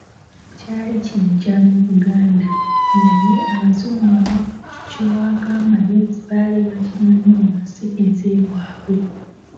Kyali kiggya mu Buganda, naye Abazungu abaakiwaako amagezi baali bakimanyi mu nsi ez'ewaabwe.